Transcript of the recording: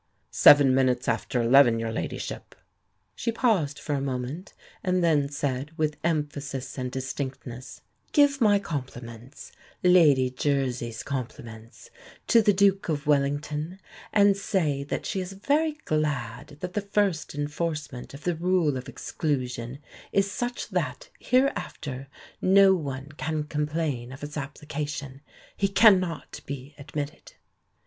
"Seven minutes after eleven, your Ladyship." She paused for a moment, and then said with emphasis and distinctness, "Give my compliments Lady Jersey's compliments to the Duke of Wellington, and say that she is very glad that the first enforcement of the rule of exclusion is such that, hereafter, no one can complain of its application. He cannot be admitted."